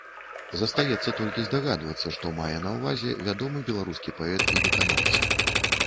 Застаецца толькі здагадвацца, што мае на ўвазе вядомы беларускі паэт і выканаўца.